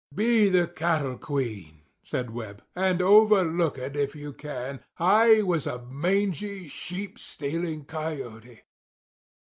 "Be the cattle queen," said Webb; "and overlook it if you can. I was a mangy, sheep stealing coyote."